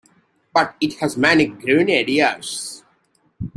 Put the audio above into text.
But it has many green areas.